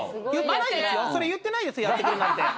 それ言ってないですよやってくれなんて。